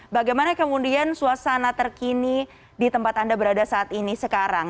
bagaimana kemudian suasana terkini di tempat anda berada saat ini sekarang